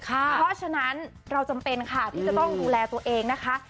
เพราะฉะนั้นเราจำเป็นค่ะที่จะต้องดูแลตัวเองนะคะ